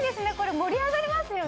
もりあがりますよね！